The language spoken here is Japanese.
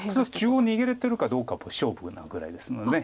中央逃げれてるかどうかも勝負なぐらいですので。